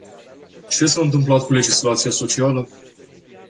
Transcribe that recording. Ce s-a întâmplat cu legislația socială?